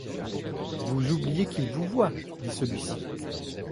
Vous oubliez qu'ils vous voient, dit celui-ci.